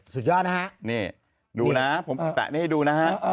สุดยอดนะฮะนี่ดูนะผมแตะนี่ให้ดูนะฮะ